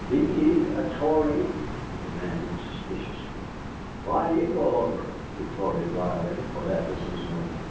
"Be ye a Tory?" he demanded suspiciously. "Why do you go over?" retorted Riley, for that was his name.